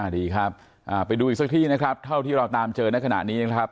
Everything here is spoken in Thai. ดีครับไปดูอีกสักที่นะครับเท่าที่เราตามเจอในขณะนี้นะครับ